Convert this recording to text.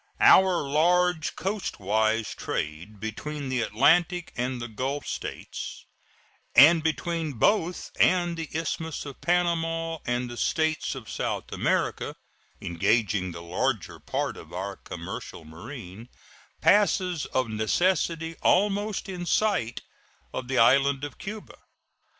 Our large coastwise trade between the Atlantic and the Gulf States and between both and the Isthmus of Panama and the States of South America (engaging the larger part of our commercial marine) passes of necessity almost in sight of the island of Cuba.